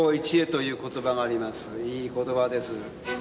いい言葉です。